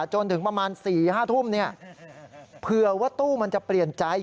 จนถึงประมาณ๔๕ทุ่มเผื่อว่าตู้มันจะเปลี่ยนใจ